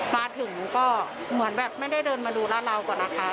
มาถึงก็เหมือนแบบไม่ได้เดินมาดูร้านเราก่อนนะคะ